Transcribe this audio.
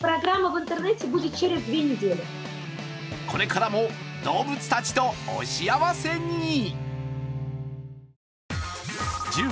これからも動物たちとお幸せに。